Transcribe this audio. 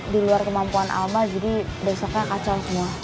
diluar kemampuan alma jadi besoknya kacau semua